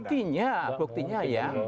buktinya buktinya ya